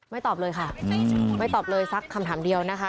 ตอบเลยค่ะไม่ตอบเลยสักคำถามเดียวนะคะ